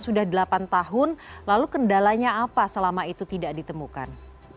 sudah delapan tahun lalu kendalanya apa selama itu tidak ditemukan